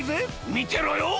みてろよ！